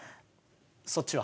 そっちは？